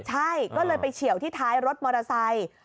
ใช่ก็เลยไปเฉียวที่ท้ายรถมอเตอร์ไซค์